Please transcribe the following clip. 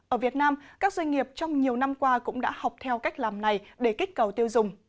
ở việt nam các doanh nghiệp trong nhiều năm qua cũng đã học theo cách làm này để kích cầu tiêu dùng